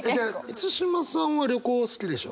満島さんは旅行好きでしょ？